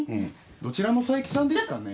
どちらの佐伯さんですかね？